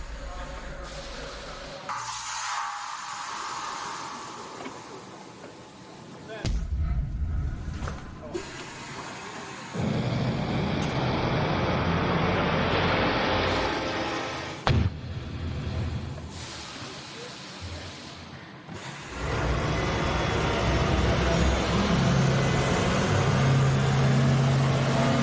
สวัสดีครับ